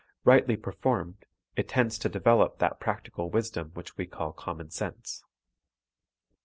Rightly per formed, it tends to develop that practical wisdom which we call common sense.